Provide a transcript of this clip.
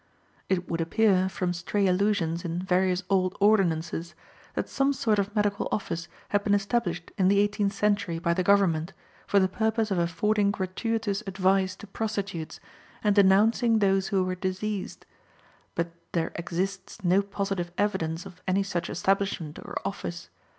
It would appear, from stray allusions in various old ordinances, that some sort of medical office had been established in the eighteenth century by the government, for the purpose of affording gratuitous advice to prostitutes, and denouncing those who were diseased; but there exists no positive evidence of any such establishment or office.